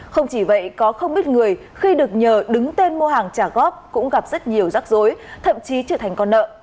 không chỉ vậy có không ít người khi được nhờ đứng tên mua hàng trả góp cũng gặp rất nhiều rắc rối thậm chí trở thành con nợ